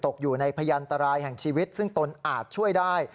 ตกอยู่ในพยันตรายแห่งชีวิตซึ่งตนอาจช่วยได้